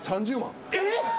えっ！？